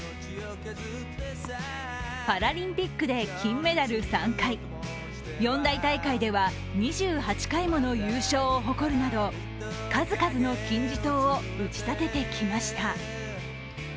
パラリンピックで金メダル３回、四大大会では２８回もの優勝を誇るなど数々の金字塔を打ち立ててきました。